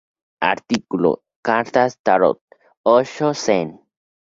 Artículo: Cartas Tarot Osho Zen